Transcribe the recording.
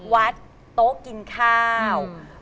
วัดโต๊ะกินข้าว